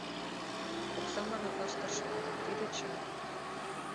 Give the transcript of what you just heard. Оксам аныклаш тыршена, тиде чын.